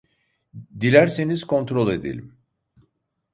Dilerseniz kontrol edelim